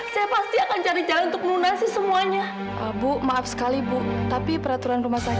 kami akan segera mempersiapkan operasinya